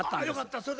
よかった。